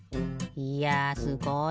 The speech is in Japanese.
いやすごい！